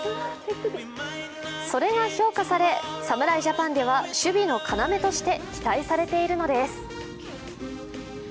それが評価され、侍ジャパンでは守備の要として期待されているのです。